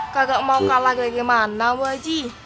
kagak mau kalah kayak gimana bu aji